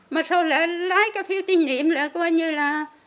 mà sau lấy cái phiêu tín nhiệm là coi như là